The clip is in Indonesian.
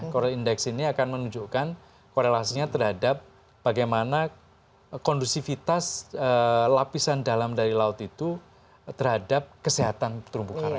coral index ini akan menunjukkan korelasinya terhadap bagaimana kondusivitas lapisan dalam dari laut itu terhadap kesehatan terumbu karang